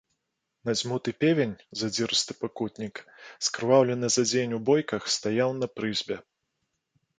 Надзьмуты певень, задзірысты пакутнік, скрываўлены за дзень у бойках, стаяў на прызбе.